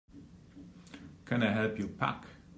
Can I help you pack?